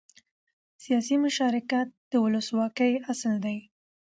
سیاسي مشارکت د ولسواکۍ اصل دی